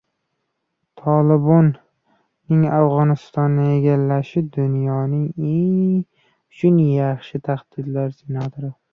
"Tolibon"ning Afg‘onistonni egallashi dunyo uchun yangi tahdiddir — senator